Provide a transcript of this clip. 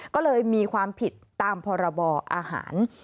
ก็เลยมีความผิดตามพรบอาหาร